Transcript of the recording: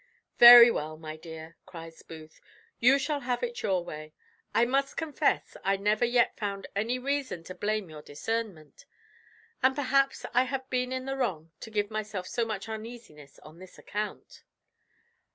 "Very well, my dear," cries Booth, "you shall have it your way; I must confess I never yet found any reason to blame your discernment; and perhaps I have been in the wrong to give myself so much uneasiness on this account."